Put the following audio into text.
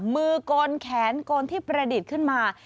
มือกลแขนกลที่ประดิษฐ์ขึ้นมา